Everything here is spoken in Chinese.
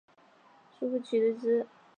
叔父瞿兑之。